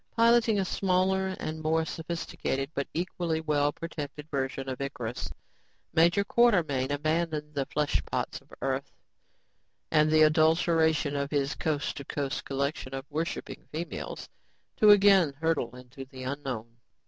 Piloting a smaller and more sophisticated but equally well protected version of Icarus, Major Quartermain abandoned the fleshpots of earth and the adulation of his coast to coast collection of worshiping females to again hurtle into the unknown.